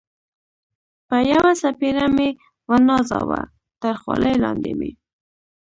په یوه څپېړه مې و نازاوه، تر خولۍ لاندې مې.